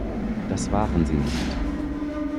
Das waren sie nicht.